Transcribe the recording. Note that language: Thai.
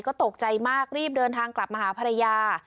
ก็ตกใจมากรีบเดินทางกลับมาหาภรรยา